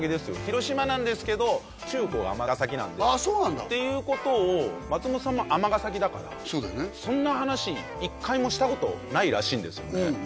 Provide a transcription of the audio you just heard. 広島なんですけど中高が尼崎なんでっていうことを松本さんも尼崎だからそんな話１回もしたことないらしいんですよね